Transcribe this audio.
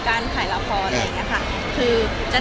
อย่างไรก็ได้หมด